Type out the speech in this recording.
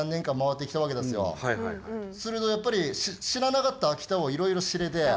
するとやっぱり知らなかった秋田をいろいろ知れて。